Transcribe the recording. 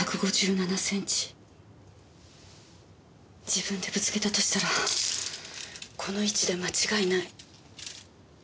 自分でぶつけたとしたらこの位置で間違いない。